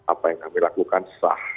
apa yang kami lakukan sah